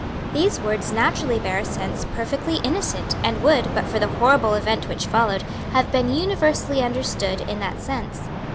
These words naturally bear a sense perfectly innocent, and would, but for the horrible event which followed, have been universally understood in that sense.